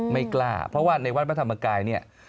เพราะว่าในวัดพระธรรมกายเนี่ย